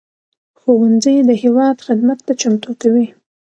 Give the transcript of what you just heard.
ښوونځی د هېواد خدمت ته چمتو کوي